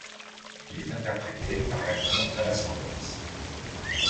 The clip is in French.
Il est interprété par l'acteur Dallas Roberts.